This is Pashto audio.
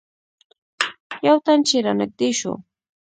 یو تن چې رانږدې شو.